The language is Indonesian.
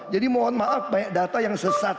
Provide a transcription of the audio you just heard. jadi mohon maaf banyak data yang sesat